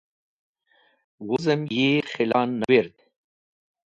Wuzem yi Khila Nawird.